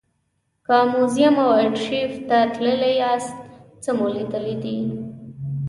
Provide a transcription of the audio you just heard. که موزیم او ارشیف ته تللي یاست څه مو لیدلي دي.